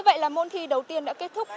như vậy là môn thi đầu tiên đã kết thúc